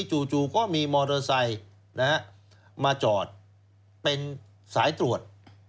จู่ก็มีมอเตอร์ไซค์มาจอดเป็นสายตรวจ